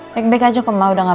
baik baik aja oma udah nggak